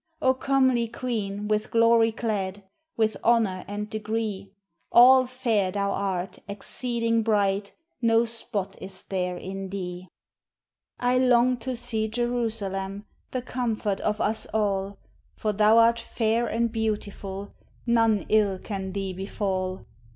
O comely queen with glory clad, With honor and degree, All fair thou art, exceeding bright No spot there is in thee! I long to see Jerusalem, The comfort of us all; For thou art fair and beautiful None ill can thee befall.